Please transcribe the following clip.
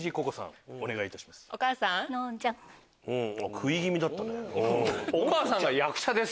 食い気味だったね。